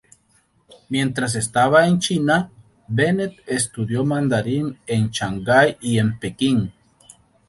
Mientras estaba en China, Bennet estudió mandarín en Shanghái y en Pekín.